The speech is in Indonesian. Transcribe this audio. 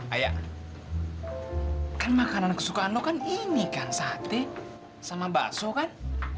ayah kan makanan kesukaan lo kan ini kan sate sama bakso kan